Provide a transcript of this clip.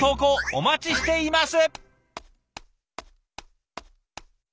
お待ちしています！